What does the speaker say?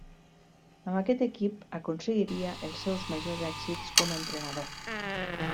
Amb aquest equip aconseguiria els seus majors èxits com a entrenador.